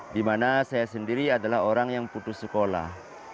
di mana saya sendiri adalah orang yang putus sekolah